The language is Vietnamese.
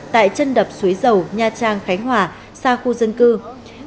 tại chân đập suối dầu nha trang khánh hòa xa khu dân cư